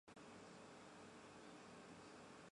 南朝梁二王后之一。